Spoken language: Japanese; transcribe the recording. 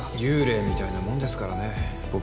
幽霊みたいなもんですからね僕は